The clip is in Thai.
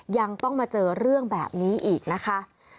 ยังต้องมาเจอเรื่องแบบนี้อีกนะคะ